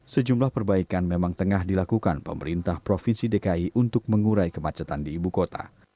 sejumlah perbaikan memang tengah dilakukan pemerintah provinsi dki untuk mengurai kemacetan di ibu kota